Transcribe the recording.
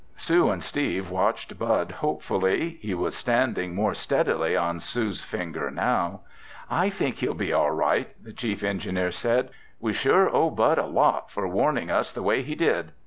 Sue and Steve watched Bud hopefully. He was standing more steadily on Sue's finger now. "I think he'll be all right," the chief engineer said. "We sure owe Bud a lot for warning us the way he did.